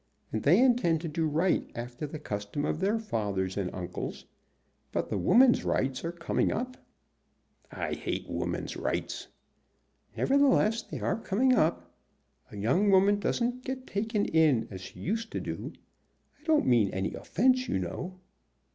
And they intend to do right after the custom of their fathers and uncles. But woman's rights are coming up." "I hate woman's rights." "Nevertheless they are coming up. A young woman doesn't get taken in as she used to do. I don't mean any offence, you know."